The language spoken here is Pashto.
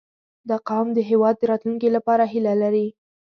• دا قوم د هېواد د راتلونکي لپاره هیله لري.